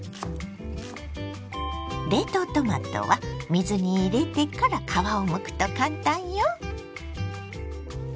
冷凍トマトは水に入れてから皮をむくと簡単よ。